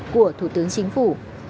của thủ tướng chính phủ